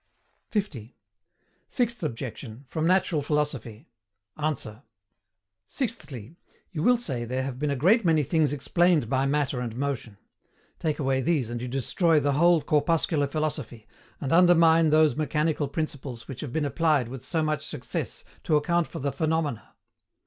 50. SIXTH OBJECTION, FROM NATURAL PHILOSOPHY. ANSWER. Sixthly, you will say there have been a great many things explained by matter and motion; take away these and you destroy the whole corpuscular philosophy, and undermine those mechanical principles which have been applied with so much success to account for the PHENOMENA.